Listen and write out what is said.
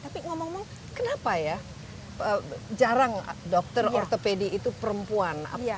tapi ngomong ngomong kenapa ya jarang dokter ortopedi itu perempuan